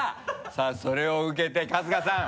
さぁそれを受けて春日さん。